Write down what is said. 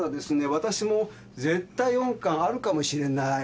わたしも「絶対音感」あるかもしれない。